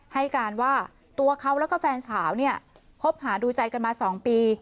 ให้การว่าตัวเขาแล้วก็แฟนสาวเนี่ยคบหาดูใจกันมา๒ปี